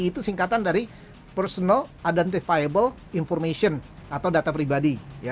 itu singkatan dari personal identifiable information atau data pribadi